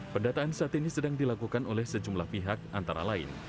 pendataan saat ini sedang dilakukan oleh sejumlah pihak antara lain